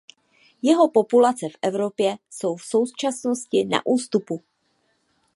Jeho populace v Evropě jsou v současnosti na ústupu.